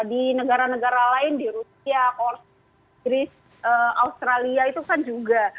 di negara negara lain di rusia inggris australia itu kan juga